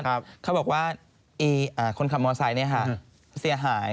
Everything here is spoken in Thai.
เขาบอกว่าคนขับมอเตอร์ไซต์เนี่ยค่ะเสียหาย